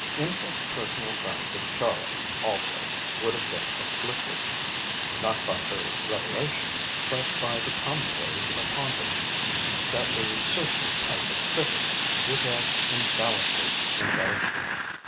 Intimate personal friends of Charlotte, also, would have been afflicted, not by her revelations, but by the commentaries upon them that a certain type of critic would have infallibly indulged in.